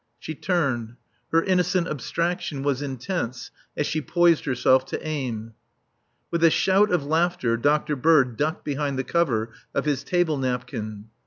She turned. Her innocent abstraction was intense as she poised herself to aim. With a shout of laughter Dr. Bird ducked behind the cover of his table napkin.